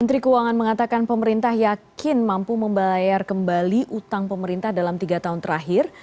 menteri keuangan mengatakan pemerintah yakin mampu membayar kembali utang pemerintah dalam tiga tahun terakhir